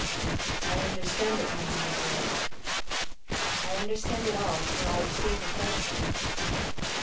I understand it now, my boy. I understand it all, for I, too, have felt it.